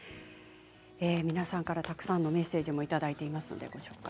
皆さんから、たくさんのメッセージもいただいています。